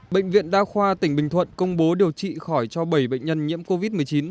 bệnh viện đa khoa tỉnh bình thuận công bố điều trị khỏi cho bảy bệnh nhân nhiễm covid một mươi chín